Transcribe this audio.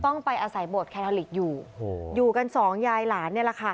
ต้องไปอาศัยบทอยู่โหอยู่กันสองยายหลานเนี่ยแหละค่ะ